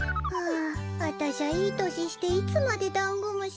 ああたしゃいいとししていつまでダンゴムシを。